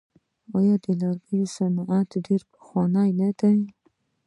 آیا د لرګیو صنعت ډیر پخوانی نه دی؟